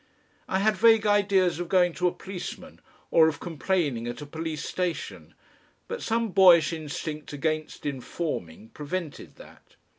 I had vague ideas of going to a policeman or of complaining at a police station, but some boyish instinct against informing prevented that.